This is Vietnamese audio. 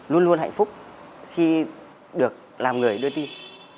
luôn luôn hạnh phúc khi được làm người đưa tin